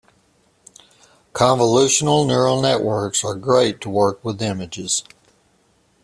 Convolutional Neural Networks are great to work with images.